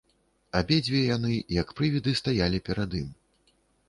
Абедзве яны, як прывіды, стаялі перад ім.